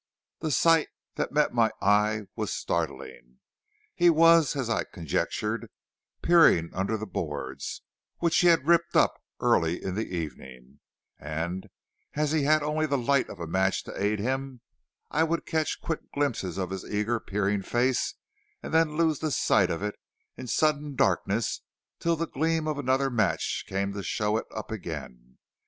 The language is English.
The sight that met my eye was startling. He was, as I conjectured, peering under the boards, which he had ripped up early in the evening; and as he had only the light of a match to aid him, I would catch quick glimpses of his eager, peering face and then lose the sight of it in sudden darkness till the gleam of another match came to show it up again.